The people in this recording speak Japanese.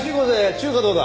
中華どうだ？